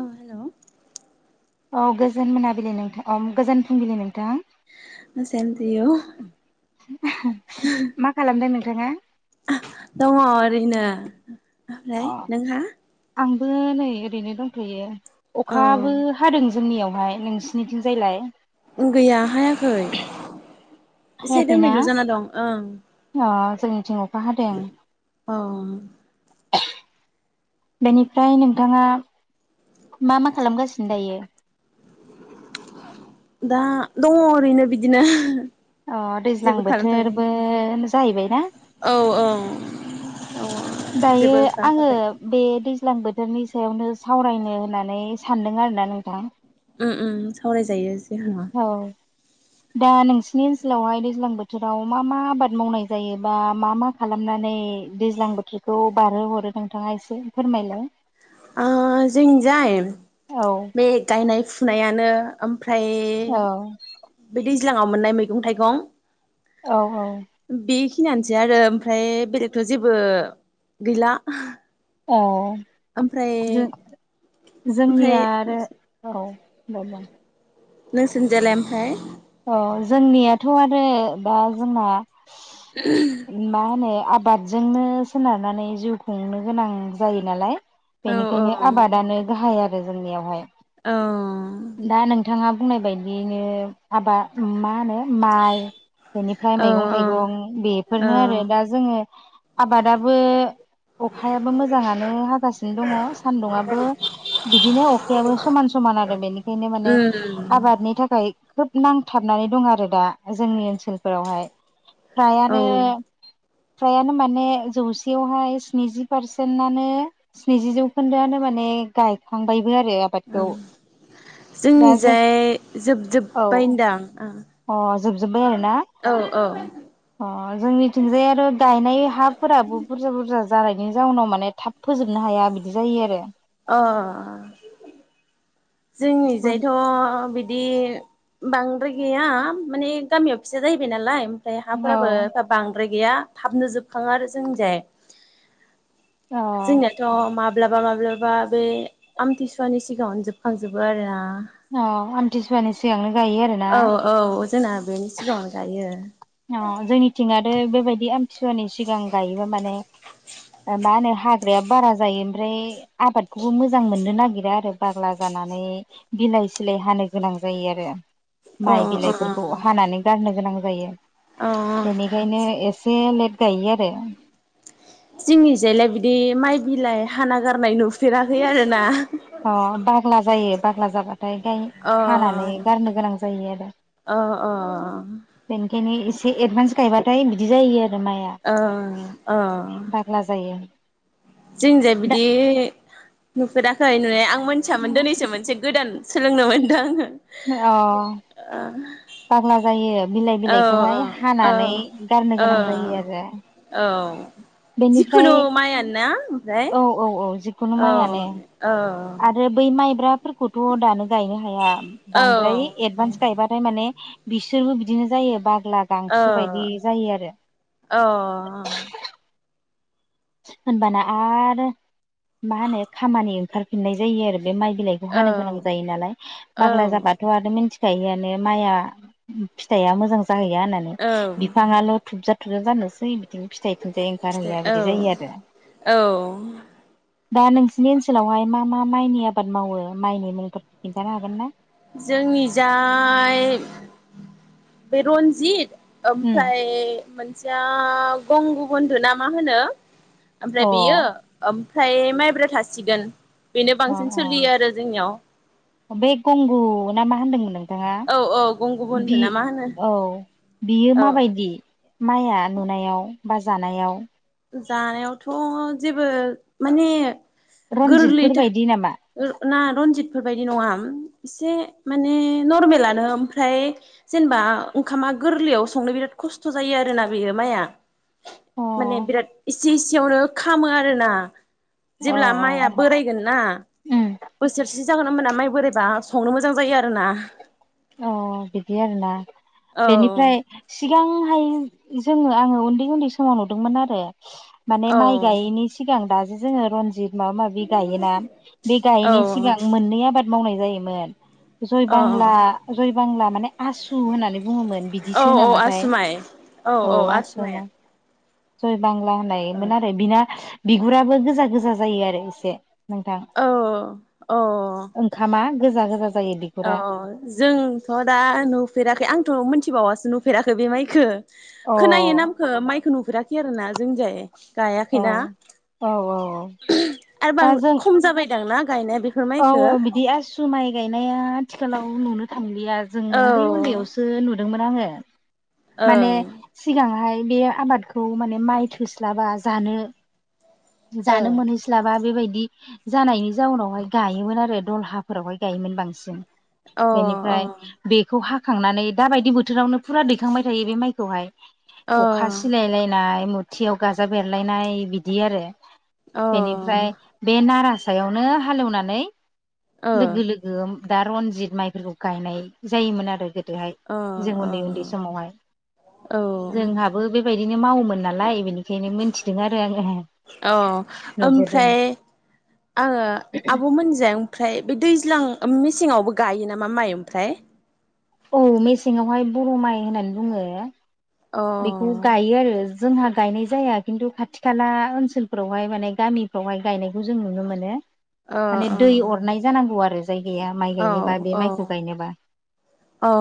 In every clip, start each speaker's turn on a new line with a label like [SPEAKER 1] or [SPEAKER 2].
[SPEAKER 1] औ हेलौ
[SPEAKER 2] औ गोजोन मोनाबिलि नोंथां गोजोन फुंबिलि नोंथां
[SPEAKER 1] जोंनियाव [unintelligible]
[SPEAKER 2] मा खालामदों नोंथाङा?
[SPEAKER 1] दङ ओरैनो
[SPEAKER 2] अ
[SPEAKER 1] ओमफ्राय नोंहा
[SPEAKER 2] आंबो नै ओरैनो दंथ'यो अखाबो
[SPEAKER 1] औ
[SPEAKER 2] हादों जोंनियावहाय नोंसिनिथिं जायलाय
[SPEAKER 1] गैया हायाखै एसे
[SPEAKER 2] हायाखैना?
[SPEAKER 1] दोमैलु जाना दं ओं
[SPEAKER 2] अ जोंनिथिं अखा हादों
[SPEAKER 1] अ
[SPEAKER 2] बेनिफ्राय नोंथाङा मा मा खालामगासिनो दायो
[SPEAKER 1] दा दङ ओरैनो बिदिनो
[SPEAKER 2] अ दैज्लां
[SPEAKER 1] खालामथाराखै
[SPEAKER 2] बोथोरबो जाहैबाय ना
[SPEAKER 1] औ औ औ
[SPEAKER 2] दायो
[SPEAKER 1] जेबो
[SPEAKER 2] आङो
[SPEAKER 1] खालामथ'वाखै
[SPEAKER 2] बे दैज्लां बोथोरनि सायावनो सावरायनो होननानै सानदों आरोोना नोंथां
[SPEAKER 1] ओम ओम सावरायजायो जेबो नङा
[SPEAKER 2] औ दा नोंसिनि ओनसोलावहाय दैज्लां बोथोराव मा मा आबाद मावनाय जायो बा मा मा खालामनानै दैज्लां बोथोरखौ बारहो हरो नोंथाङा एसे फोरमायलाय
[SPEAKER 1] ओ जोंजाय
[SPEAKER 2] औ
[SPEAKER 1] बे गायनाय फुनायानो ओमफ्राय
[SPEAKER 2] औ
[SPEAKER 1] बे दैज्लाङाव मोननाय मैगं थाइगं
[SPEAKER 2] औ औ
[SPEAKER 1] बेखिनियानोसै आरो ओमफ्राय बेलेगथ' जेबो गैला
[SPEAKER 2] औ
[SPEAKER 1] ओमफ्राय
[SPEAKER 2] जों
[SPEAKER 1] ओमफ्राय
[SPEAKER 2] जोंनिया आरो औ म मा [unintelligible]
[SPEAKER 1] नोंसिनि जायलाय ओमफ्राय
[SPEAKER 2] औ जोंनियाथ' आरो दा जोंना
[SPEAKER 1] [unintelligible]
[SPEAKER 2] मा होनो आबादजोंनो सोनारनानै जिउ खुंनो गोनां जायो नालाय
[SPEAKER 1] औ
[SPEAKER 2] बेनिखायनो आबादानो गाहाय आरो जोंनियावहाय
[SPEAKER 1] अ
[SPEAKER 2] दा नोंथाङा बुंनाय बायदियनो हाबा मा होनो माइ बेनिफ्राय
[SPEAKER 1] औ
[SPEAKER 2] मैगं थाइगं
[SPEAKER 1] औ
[SPEAKER 2] बेफोरनो आरो दा जोङो आबादाबो अखायाबो मोजाङानो हागासिनो दङ सान्दुंआबो बिदिनो अखायाबो समान समान आरो बेनिखायनो माने
[SPEAKER 1] उम
[SPEAKER 2] आबादनि थाखाय खोब नांथाबनानै दं आरो दा जोंनि ओनसोलफोरावहाय
[SPEAKER 1] औ
[SPEAKER 2] फ्रायानो
[SPEAKER 1] ओं
[SPEAKER 2] फ्रायानो माने जौसेयावहाय स्निजि पारसेन्टनो स्निजि जौखोन्दोआनो माने गायखांबायबो आरो आबादखौ
[SPEAKER 1] ओम
[SPEAKER 2] दा
[SPEAKER 1] जोंनि
[SPEAKER 2] जों
[SPEAKER 1] जाय जोब जोब
[SPEAKER 2] औ अ जोबजोब्बाय आरोना
[SPEAKER 1] ओं औ औ
[SPEAKER 2] अ जोंनिथिंजाय आरो गायनाय हाफोराबो बुरजा बुरजा जानायनि जाउनाव माने थाब फोजोबनो हाया बिदि जायो आरो
[SPEAKER 1] अ
[SPEAKER 2] औ
[SPEAKER 1] जोंनिजायथ' बिदि बांद्राय गैया माने गामियाव फिसा जाहैबाय नालाय ओमफ्राय हाफोराबो बांद्राय गैया थाबनो जोबखाङो आरो जोंनिजाय
[SPEAKER 2] अ
[SPEAKER 1] जोंनियाथ' माब्लाबा माब्लाबा बे आमथि सुवानि सिगाङावनो जोब खांजोबो आरोना
[SPEAKER 2] आमथिसुवानि सिगांनो गायो आरो
[SPEAKER 1] औ औ जोंना बेनि सिगाङावनो गायो
[SPEAKER 2] अ जोंनिथिं आरो बेबायदि आमथि सुवानि सिगां गायोबा माने ओ मा होनो हाग्राया बारा जायो ओमफ्राय आबादखौबो मोजां मोननो नागिरा आरो बाग्ला जानानै बिलाइ सिलाय हानो गोनां जायो आरो
[SPEAKER 1] अ
[SPEAKER 2] माइ
[SPEAKER 1] अ
[SPEAKER 2] बिलाइफोरखौ हानानै गारनो गोनां जायो
[SPEAKER 1] अ
[SPEAKER 2] बेनिखायनो एसे लेट गायो आरो
[SPEAKER 1] जोंनिजायलाय बिदि माइ बिलाइ हाना गारनाय नुफेराखै आरोना
[SPEAKER 2] अ बाग्ला जायो बाग्ला जाबाथाय ओमफाय
[SPEAKER 1] अ
[SPEAKER 2] हानानै गारनो गोनां जायो आरो
[SPEAKER 1] अ अ
[SPEAKER 2] बेनिखायनो एसे एडभान्स गायबाथाय बिदि जायो आरो माइआ
[SPEAKER 1] ओ ओ
[SPEAKER 2] बाग्ला जायो
[SPEAKER 1] जोंनिजाय
[SPEAKER 2] दा
[SPEAKER 1] बिदि नुफेराखै नुनाया आं मोनथियामोन दिनैसो मोनसे गोदान सोलोंनो मोनदो आङो
[SPEAKER 2] अ
[SPEAKER 1] ओ
[SPEAKER 2] बाग्ला जायो बिलाइ बिलाइखौहाय
[SPEAKER 1] औ
[SPEAKER 2] हानानै गारनो
[SPEAKER 1] औ
[SPEAKER 2] गोनां जायो आरो
[SPEAKER 1] औ
[SPEAKER 2] बेनिफ्राय
[SPEAKER 1] जिखुनु माइयानोना ओमफ्राय
[SPEAKER 2] औ औ औ जिखुनु
[SPEAKER 1] औ
[SPEAKER 2] माइआनो आरो बै माइब्राफोरखौथ' दानो गायनो हाया
[SPEAKER 1] औ
[SPEAKER 2] बांद्राय एडभान्स गायबाथाय माने बिसोरबो बिदिनो जायो बाग्ला गांसो बायदि जायो आरो
[SPEAKER 1] अ
[SPEAKER 2] होनबाना आरो मा होनो खामानि ओंखारफिननाय जायो आरो बे माइ बिलाइ खौ
[SPEAKER 1] औ
[SPEAKER 2] हानो गोनां जायो नालाय बाग्ला जाबा
[SPEAKER 1] औ
[SPEAKER 2] थ' आरो मिथिखायोआनो माइआ फिथाइआ मोजां जाहैया होननानै बिफाङाल' थुबजा थुबजा जानोसै बिदिनो फिथाइथिंजाय ओंखार हैया
[SPEAKER 1] औ
[SPEAKER 2] बिदि जायो आरो
[SPEAKER 1] औ
[SPEAKER 2] दा नोंसिनि ओनसोलावहाय मा मा माइनि आबाद मावो माइनि मुंफोरखौ खिन्थानो हागोन ना
[SPEAKER 1] जोंनि जाय बे रनजित
[SPEAKER 2] उम
[SPEAKER 1] ओमफ्राय मोनसेया गंगुबन्धु ना मा होनो ओमफ्राय बेयो
[SPEAKER 2] अ
[SPEAKER 1] ओमफ्राय माइब्रा थासिगोन बेनो बांसिन
[SPEAKER 2] अ
[SPEAKER 1] सोलियो आरो जोंनियाव
[SPEAKER 2] बे गंगु ना मा होनदोंमोन नोंथाङा
[SPEAKER 1] औ औ गंगु बन्धु
[SPEAKER 2] बि
[SPEAKER 1] ना मा होनो
[SPEAKER 2] औ बियो
[SPEAKER 1] औ
[SPEAKER 2] माबायदि माइया नुनायाव बा जानायाव
[SPEAKER 1] जानायावथ' जेबो माने गोरलै
[SPEAKER 2] रनजितफोर
[SPEAKER 1] था
[SPEAKER 2] बायदि नामा
[SPEAKER 1] ना रनजितफोर बायदि नङा एसे माने नरमेलानो ओमफ्राय जेनेबा ओंखामा गोरलैयाव संनो बिराद खस्थ' जायो आरोना बेयो माइआ
[SPEAKER 2] अ
[SPEAKER 1] माने बिराद इसे इसेयावनो खामो आरोना
[SPEAKER 2] अ
[SPEAKER 1] जेब्ला माइआ बोराय गोन ना
[SPEAKER 2] उम
[SPEAKER 1] बोसोरसे जागोनना ओमबाना माइ बोराइबा संनो मोजां जायो आरोना
[SPEAKER 2] अ बिदि आरोना
[SPEAKER 1] औ
[SPEAKER 2] बेनिफ्राय सिगांहाय जोङो आङो उन्दै उन्दै समाव नुदोंमोन आरो माने
[SPEAKER 1] औ
[SPEAKER 2] माइ गायिनि सिगां दासो जोङो रनजित माबा माबि गायोना बे
[SPEAKER 1] औ
[SPEAKER 2] गायिनि सिगां मोननै आबाद मावनाय जायोमोन जय
[SPEAKER 1] औ
[SPEAKER 2] बांला जय बांला माने आसु होननानै बुङोमोन
[SPEAKER 1] औ
[SPEAKER 2] बिदिसो
[SPEAKER 1] औ आसु
[SPEAKER 2] नामाथाय
[SPEAKER 1] माइ
[SPEAKER 2] औ आसुवानो जय बांला होननायमोन आरो बिना बिगुराबो गोजा गोजा जायो आरो एसे नोंथां
[SPEAKER 1] अ अ
[SPEAKER 2] ओंखामा गोजा गोजा जायो
[SPEAKER 1] अ
[SPEAKER 2] बिगुरा
[SPEAKER 1] जोंथ' दा नुफेराखै आंथ' मिथिबावासो नुफेराखै बे माइखौो
[SPEAKER 2] अ औ
[SPEAKER 1] खोनायो नामखौ माइखौ नुफेराखै आरो ना जोंनिजाय
[SPEAKER 2] औ
[SPEAKER 1] गायाखैना
[SPEAKER 2] औ औ
[SPEAKER 1] आरो बां
[SPEAKER 2] दा जों
[SPEAKER 1] खम जाबायदां ना गायनाया बेखौ
[SPEAKER 2] औ औ बिदि आसु माइ गायनाया आथिखालाव नुनो थांलिया जों उनदै
[SPEAKER 1] औ
[SPEAKER 2] उनदैयावसो नुदोंमोन आङो माने
[SPEAKER 1] ओं
[SPEAKER 2] सिगांहाय बे आबादखौ माने माइ थोस्लाबा जानो जानो
[SPEAKER 1] ओ
[SPEAKER 2] मोनहैस्लाबा बेबायदि जानायनि जाउनावहाय गायोमोन आरो दलहाफोरावहाय गायोमोन बांसिन
[SPEAKER 1] अ
[SPEAKER 2] बेनिफ्राय बेखौ हाखांनानै दाबायदि बोथोरावनो फुरा दैखांबाय थायो बे माइखौहाय
[SPEAKER 1] अ
[SPEAKER 2] अखा सिलायलायनाय मुथियाव गाजा बेरलायनाय बिदि आरो
[SPEAKER 1] अ
[SPEAKER 2] बेनिफ्राय बे नारा सायावनो हालेवनानै
[SPEAKER 1] ओ अ
[SPEAKER 2] लोगो लोगो दा रनजित माइफोरखौ गायनाय जायोमोन आरो गोदोहाय
[SPEAKER 1] अ
[SPEAKER 2] जों उनदै उनदै समावहाय
[SPEAKER 1] औ
[SPEAKER 2] जोंहाबो बेबायदिनो मावोमोन नालाय बेनि बेखायनो मोनथिदों आरो आङो
[SPEAKER 1] अ
[SPEAKER 2] नुबोदों
[SPEAKER 1] ओमफ्राय आङो आब'मोनजों ओमफ्राय बे दैज्लां मेसेङावबो गायो नामा माइ ओमफ्राय
[SPEAKER 2] औ मेसेंयावहाय बर' माइ होननानै बुङो
[SPEAKER 1] अ
[SPEAKER 2] बेखौ गायो आरो जोंहा गायनाय जाया खिन्थु खाथि खाला ओनसोलफ्रावहाय माने गामिफ्रावहाय गायनायखौ जों नुनो मोनो
[SPEAKER 1] अ
[SPEAKER 2] माने दै
[SPEAKER 1] अ
[SPEAKER 2] अरनाय जानांगौ आरो जायगाया माइ
[SPEAKER 1] औ
[SPEAKER 2] गायनोबा बे माइखौ गायनोबा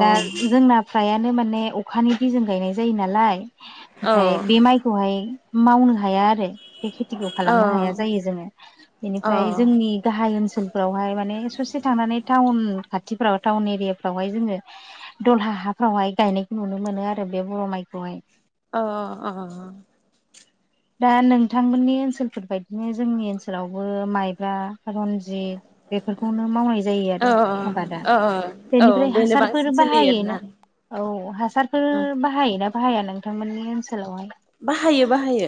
[SPEAKER 2] दा जोंना फ्रायानो माने अखानि दैजों गायनाय जायो नालाय ओमफ्राय बे माइखौहाय मावनो हाया आरो बे खेथिखौ खालामनो हाया
[SPEAKER 1] औ
[SPEAKER 2] जायो जोङो बेनिफ्राय जोंनि गाहाय ओनसोल फोरावहाय माने ससे थांनानै टाउन खाथिफ्राव टाउन एरियाफ्रावहाय जोङो दलहा हाफ्रावहाय गायनायखौ नुनो मोनो आरो बे बर' माइखौहाय
[SPEAKER 1] अ अ अ
[SPEAKER 2] दा नोंथांमोननि ओनसोलफोरबायदिनो जोंनि ओनसोलावबो माइब्रा खारन जिथ बेफोरखौनो मावनाय जायो आरो आबादा
[SPEAKER 1] औ औ
[SPEAKER 2] बेनिफ्राय
[SPEAKER 1] बेनो
[SPEAKER 2] हासारफोर
[SPEAKER 1] बांसिन सोलियो आरोना
[SPEAKER 2] बाहायोना औ हासारफोर
[SPEAKER 1] ओ
[SPEAKER 2] बाहायोना बाहाया नोंथांमोननि ओनसोलावहाय
[SPEAKER 1] बाहायो बाहायो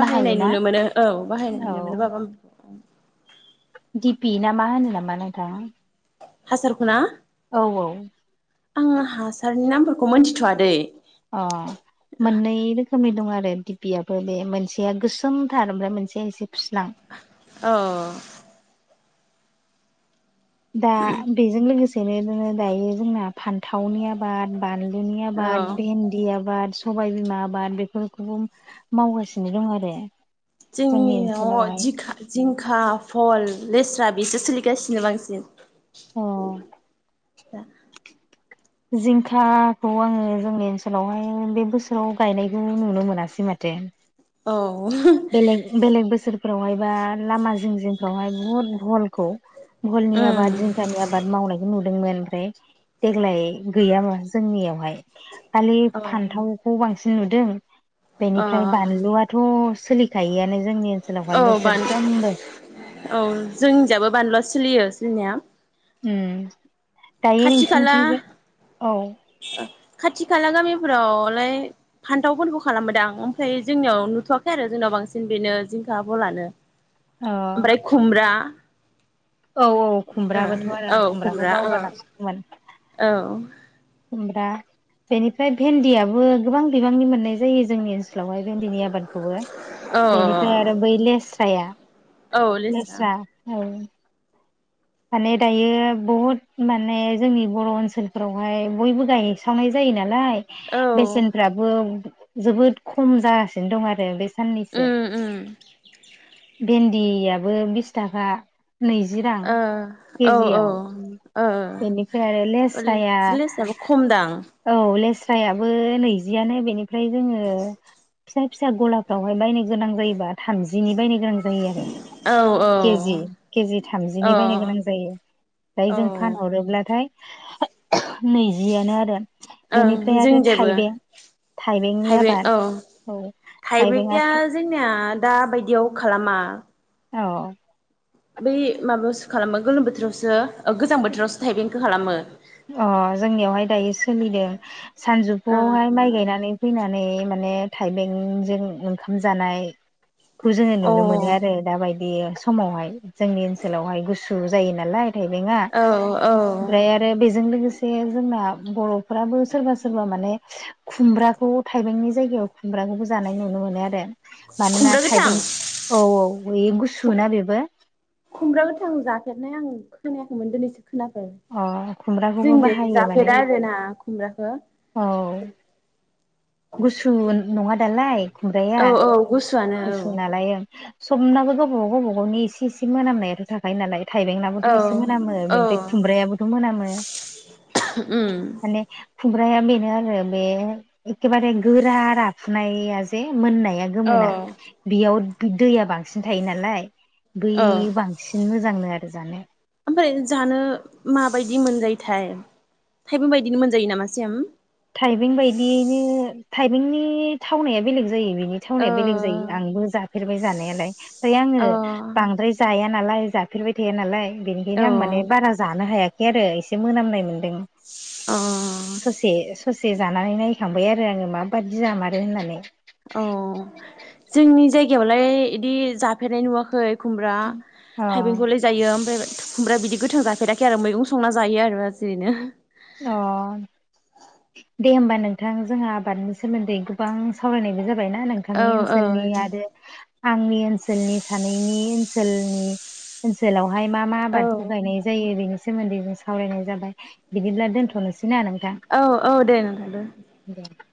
[SPEAKER 1] बाहायनाय
[SPEAKER 2] बाहायोना
[SPEAKER 1] नुनो मोनो औ बाहायनाय नुनो
[SPEAKER 2] औ
[SPEAKER 1] मोनो बाबा
[SPEAKER 2] दिपि ना मा होनो नामा नोंथां
[SPEAKER 1] हासारखौ ना
[SPEAKER 2] औ औ
[SPEAKER 1] आं हासारनि नामफोरखौ मोनथिथ'वादै
[SPEAKER 2] अ मोननै रोखोमनि दं आरो दिपायाबो बे मोनसेया गोसोमथार ओमफ्राय मोनसेया एसे फुस्लां
[SPEAKER 1] ओ
[SPEAKER 2] दा बेजों लोगोसेनो जोङो दायो जोंना फानथावनि आ बाद बानलुनि आबाद
[SPEAKER 1] औ
[SPEAKER 2] बेनदि आबाद सबाय बिमा आबाद बेफोरखौबो मावगासिनो दं आरो। जोंनि
[SPEAKER 1] जोंनियाव
[SPEAKER 2] ओनसोलावहाय
[SPEAKER 1] जि जिंखा फल लेस्रा बेसो सोलिगासिनो बांसिन।
[SPEAKER 2] अ जिंखाखौ आङो जोंनि ओनसोलावहाय बे बोसोराव गायनायखौ नुनो मोनासै माथो। बेलेग
[SPEAKER 1] औ।
[SPEAKER 2] बेलेग बोसोरफ्रावहाय बा लामा जिं जिंफ्रावहाय बुहुद भहलखौ बहलनि
[SPEAKER 1] उम
[SPEAKER 2] आबाद जिंखानि आबाद मावनायखौ नुदोंमोन ओमफ्राय देग्लाय गैया माथो जोंनियावहाय खालि
[SPEAKER 1] औ
[SPEAKER 2] फान्थावखौ बांसिन नुदों
[SPEAKER 1] औ
[SPEAKER 2] बेनिफ्राय बानलुयाथ' सोलिखायोयानो जोंनि
[SPEAKER 1] औ
[SPEAKER 2] ओनसोलावहाय
[SPEAKER 1] बान
[SPEAKER 2] बोसोरफ्रोमबो।
[SPEAKER 1] औ जोंनियाबो बानलु सोलियो सोलिनाया।
[SPEAKER 2] उम दायो
[SPEAKER 1] खाथि खाला
[SPEAKER 2] नोंसिनिथिंजाय औ
[SPEAKER 1] खाथि खाला गामिफ्रावलाय फान्थावफोरखौ खालामोदां ओमफ्राय जोंनियाव नुथ'वाखै आरो जोंनाव बांसिन बेनो जिंखा बलानो
[SPEAKER 2] [inaudible]
[SPEAKER 1] ओमफ्राय खुमब्रा।
[SPEAKER 2] औ औ खुमब्राबोथ' आरो
[SPEAKER 1] ओ
[SPEAKER 2] आं
[SPEAKER 1] औ
[SPEAKER 2] खुमब्राखौ
[SPEAKER 1] खुमब्रा ओ
[SPEAKER 2] बावगारनासो दंमोन।
[SPEAKER 1] औ
[SPEAKER 2] खुमब्रा बेनिफ्राय भेन्दियाबो गोबां बिबांनि मोननाय जायो जोंनि ओनसोलावहाय भेन्दिनि आबाद। खौबो बेनिफ्राय आरो
[SPEAKER 1] औ
[SPEAKER 2] बै लेस्राया लेस्रा औ माने दायो बहुद माने जोंनि बर' ओनसोलफोरावहाय बयबो गायहैस्रावनाय जायो नालाय।
[SPEAKER 1] औ
[SPEAKER 2] बेसेनफ्राबो जोबोद खम जागासिनो दं आरो बे साननैसो
[SPEAKER 1] उम उम
[SPEAKER 2] भेन्दियाबो बिस थाखा। नैजि रां।
[SPEAKER 1] ओ औ
[SPEAKER 2] केजियाव
[SPEAKER 1] ओ
[SPEAKER 2] बेनिफ्राय आरो लेस्राया
[SPEAKER 1] लेस्राबो खमदां
[SPEAKER 2] औ लेस्रायाबो नैजियानो बेनिफ्राय जोङो फिसा फिसा गला बावहाय नायनो गोनां जायोबा थामजिनि बायनो गोनां जायो आरो
[SPEAKER 1] औ औ
[SPEAKER 2] केजि केजि
[SPEAKER 1] औ
[SPEAKER 2] थामजिनि बायनो गोनां जायो आमफाय जों फानहरोब्लाथाय नैजियानो आरो
[SPEAKER 1] ओं
[SPEAKER 2] बेनिफ्राय आरो
[SPEAKER 1] जोंनिजायबो
[SPEAKER 2] थाइबें थाइबेंनि
[SPEAKER 1] थाइबें
[SPEAKER 2] आबाद
[SPEAKER 1] औ
[SPEAKER 2] औ
[SPEAKER 1] थाइब्रेकआ
[SPEAKER 2] थाइबेंआथ'
[SPEAKER 1] जोंनिया दा बायदियाव खालामा।
[SPEAKER 2] फ्राव
[SPEAKER 1] बै माबायावसो खालामो गोलोम बोथोरावसो गोजां बोथोरावसो थाइबेंखौ खालामो।
[SPEAKER 2] अ जोंनियावहाय दायो सोलिदों सानजौफुआवहाय माइ गायनानै फैनानै माने थाइबेंजों ओंखाम जानाय खौ जोङो
[SPEAKER 1] ओ
[SPEAKER 2] नुनो मोनो आरो दाबाय दि समावहाय जोंनि ओनसोलावहाय गुसु जायो नालाय थाइबेंया।
[SPEAKER 1] अ औ औ
[SPEAKER 2] ओमफ्राय आरो बेजों लोगोसे जोंना बर'फ्राबो सोरबा सोरबा माने खुमब्राखौ थाइबेंनि जायगायाव खुमब्राखौबो जानाय नुनो मोनो आरो। मानोना
[SPEAKER 1] खुमब्रा गोथां
[SPEAKER 2] थाइबें औ औ बै गुसुना बेबो।
[SPEAKER 1] खुमब्रा गोथां जाफेरनाय आं खोनायाखैमोन दिनैसो खोनाखो
[SPEAKER 2] अ खुमब्राखौबो
[SPEAKER 1] जोंनिजों
[SPEAKER 2] बाहायो माने
[SPEAKER 1] जाफेरा आरो ना खुमब्राखौ।
[SPEAKER 2] औ गुसु नङा दालाय खुमब्राया
[SPEAKER 1] औ औ गुसुयानो।
[SPEAKER 2] गुसु नालाय ओ समनाबो गावबागाव गावबा गावनि एसे एसे एसे मोनामनायाथ' थाखायो नालाय थाइबेंनाबोथ' एसे मोनामो
[SPEAKER 1] औ औ
[SPEAKER 2] बेनिफ्राय खुमब्रायाबोथ' मोनामो।
[SPEAKER 1] उम
[SPEAKER 2] माने खुमब्राया बेनो आरो बे एखेबारे गोरा राफुनाया जे मोननाया
[SPEAKER 1] औ
[SPEAKER 2] गोमोना बेयाव दैया बांसिन थायो नालाय बै
[SPEAKER 1] औ
[SPEAKER 2] बांसिन मोजांनो आरो जानो
[SPEAKER 1] ओमफ्राय जानो माबायदि मोनजायोथाय थाइबें बायदिनो मोनजायो नामा सेम
[SPEAKER 2] थाइबें बायदियैनो थाइबेंनि थावनाया बेलेग जायो बेनि बेलेग
[SPEAKER 1] ओ
[SPEAKER 2] जायो आंबो जाफेरबाय जानायालाय ओमफ्राय आङो
[SPEAKER 1] अ
[SPEAKER 2] बांद्राय जाया नालाय जाफेरबाय थाया नालाय बेनिखायनो आं माने
[SPEAKER 1] औ
[SPEAKER 2] बारा जानो हायाखै आरो एसे मोनामनाय मोन दों
[SPEAKER 1] अ
[SPEAKER 2] ससे ससे जानानै नायैखांबाय आरो आङो माबादि जामारो होननानै
[SPEAKER 1] अ जोंनि जायगायावलाय इदि जाफेरनाय नुवाखै खुमब्रा
[SPEAKER 2] अ
[SPEAKER 1] थाइबेंखौलाय जायो ओमफ्राय खुमरा बिदि गोथां जाफेराखै आरो मैगं संना जायो आरो जियैनो
[SPEAKER 2] अ दे होमबा नोंथां जोंहा आबादनि सोमोन्दै गोबां सावरायनायबो जाबायना नोंथां
[SPEAKER 1] औ
[SPEAKER 2] नोंथांनि ओनसोलनि आरो आंनि ओनसोलनि सानैनि ओनसोलनि ओनसोलावहाय मा मा
[SPEAKER 1] औ
[SPEAKER 2] आबादबो गायनाय जायो बेनि सोमोन्दै जों सावरायनाय जाबाय बिदिब्ला दोनथ'नोसै ना नोंथां
[SPEAKER 1] औ औ दे नोंथां दो
[SPEAKER 2] [inaudible]